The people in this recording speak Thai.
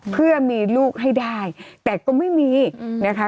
เพื่อมีลูกให้ได้แต่ก็ไม่มีนะคะ